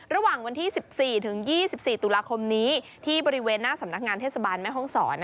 ระหว่างวันที่๑๔ถึง๒๔ตุลาคมนี้ที่บริเวณหน้าสำนักงานเทศบาลแม่ห้องศร